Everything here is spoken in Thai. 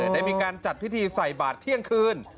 ได้มีการจัดพิธีใส่บาทเที่ยงคืน